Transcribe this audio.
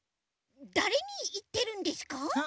だれにいってるんですか？